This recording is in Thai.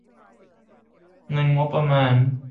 เงินงบประมาณ